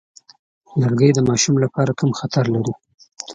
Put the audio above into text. لرګی د ماشوم لپاره کم خطر لري.